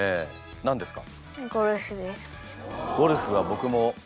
何ですか？